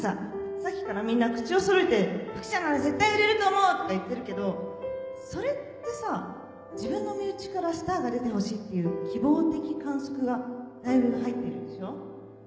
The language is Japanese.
さっきからみんな口をそろえて「福ちゃんなら絶対売れると思う」とか言ってるけどそれってさ自分の身内からスターが出てほしいっていう希望的観測がだいぶ入ってるでしょ？